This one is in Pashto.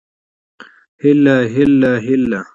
هيله هيله هيله